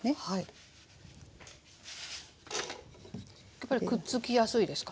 やっぱりくっつきやすいですか？